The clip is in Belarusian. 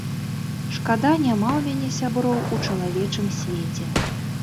Шкада, няма ў мяне сяброў у чалавечым свеце!